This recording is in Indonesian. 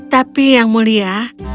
tapi yang mulia